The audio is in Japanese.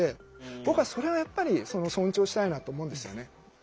僕はそれはやっぱり尊重したいなと思うんですよね。